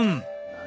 何？